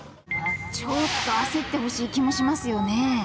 ちょっと焦ってほしい気もしますよね。